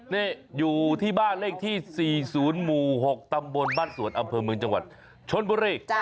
นี่อยู่ที่บ้านเลขที่๔๐หมู่๖ตำบลบ้านสวนอำเภอเมืองจังหวัดชนบุรี